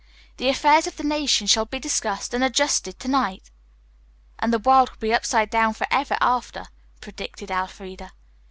"The affairs of the nation shall be discussed and adjusted to night." "And the world will be upside down forever after," predicted Elfreda.